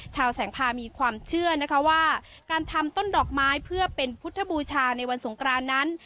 ชาวแสงพามีความเชื่อนะคะว่าการทำต้นดอกไม้เพื่อเป็นพุทธบูชาในวันสงครานนั้น